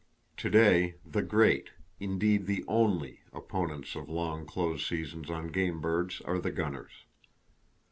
To day, the great—indeed, the only—opponents of long close seasons on game birds are the gunners.